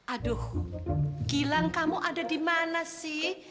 aduh gilang kamu ada di mana sih